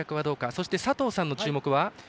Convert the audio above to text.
そして佐藤さんの注目は。